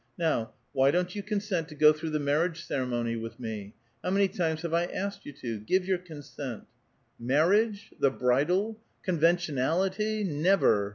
Now, why don't you consent to go through the marriage ceremony with me ? How many timers have I asked you to? Give your consent." j "Marriage? the bridle? conventionality? Never!